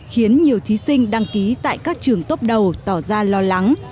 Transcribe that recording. khiến nhiều thí sinh đăng ký tại các trường tốt đầu tỏ ra lo lắng